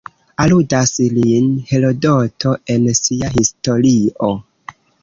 Aludas lin Herodoto en sia Historio.